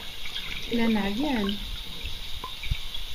Llan ɛyan.